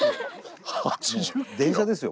電車ですよ